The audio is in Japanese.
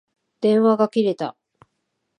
電話が切れた。